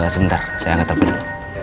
sebentar saya angkat teleponnya